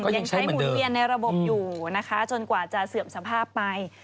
ยังใช้หมุนเวียนในระบบอยู่นะคะจนกว่าจะเสื่อมสภาพไป